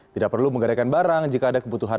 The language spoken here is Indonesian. tidak perlu menggadaikan barang jika ada kebutuhan